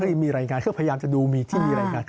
ถ้ามีรายงานเพย์พยายามจะดูที่มีรายงาน